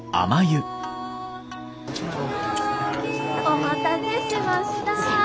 お待たせしました。